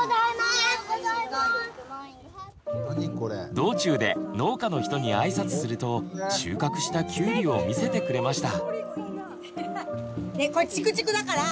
道中で農家の人に挨拶すると収穫した「きゅうり」を見せてくれました。